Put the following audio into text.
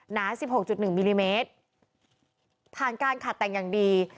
หนาสิบหกจุดหนึ่งมิลลิเมตรผ่านการขาดแต่งอย่างดี